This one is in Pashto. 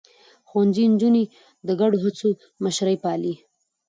ښوونځی نجونې د ګډو هڅو مشري پالي.